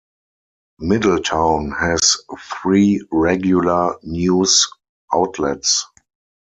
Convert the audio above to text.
Middletown has three regular news outlets.